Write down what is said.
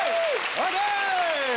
ＯＫ！